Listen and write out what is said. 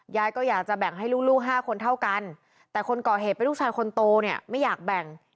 ยายก็อยากจะแบ่งให้ลูกห้าคนเท่ากัน